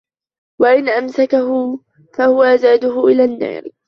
وَإِنْ أَمْسَكَهُ فَهُوَ زَادُهُ إلَى النَّارِ